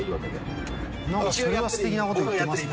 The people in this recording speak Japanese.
すてきなこと言ってますね。